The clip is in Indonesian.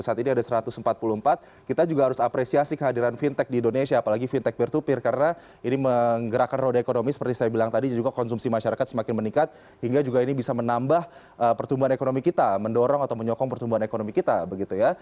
saat ini ada satu ratus empat puluh empat kita juga harus apresiasi kehadiran fintech di indonesia apalagi fintech peer to peer karena ini menggerakkan roda ekonomi seperti saya bilang tadi juga konsumsi masyarakat semakin meningkat hingga juga ini bisa menambah pertumbuhan ekonomi kita mendorong atau menyokong pertumbuhan ekonomi kita begitu ya